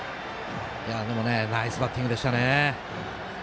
でもナイスバッティングでしたね。